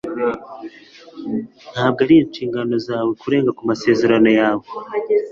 Ntabwo ari inshingano zawe kurenga ku masezerano yawe.